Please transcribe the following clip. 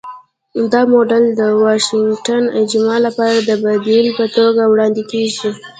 دا موډل د 'واشنګټن اجماع' لپاره د بدیل په توګه وړاندې کېږي.